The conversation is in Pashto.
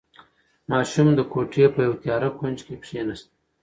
ماشوم د کوټې په یوه تیاره کونج کې کېناست.